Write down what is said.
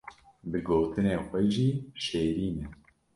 bi gotinê xwe jî şêrîn e.